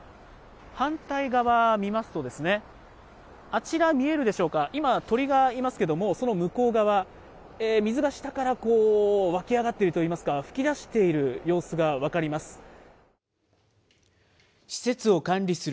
反対側見ますと、あちら見えるでしょうか、今、鳥がいますけども、その向こう側、水が下からこう、湧き上がっているといいますか、噴き出している様子が分かります。